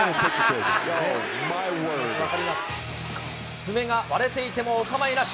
爪が割れていても、おかまいなし。